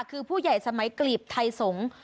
คือผู้ใหญ่สมัยกลีบไทยสงฆ์